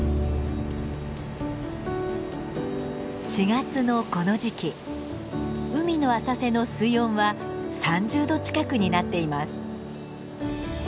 ４月のこの時期海の浅瀬の水温は３０度近くになっています。